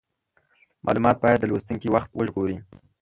مالومات باید د لوستونکي وخت وژغوري.